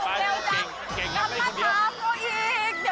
ดังน้ำมาช้ากลัวอีกเดี๋ยวก่อนจี๊